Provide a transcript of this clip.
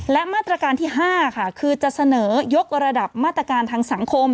และมาตรการที่๕ค่ะคือจะเสนอยกระดับมาตรการทางสังคม